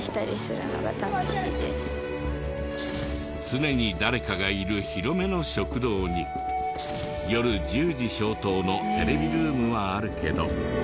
常に誰かがいる広めの食堂に夜１０時消灯のテレビルームはあるけど。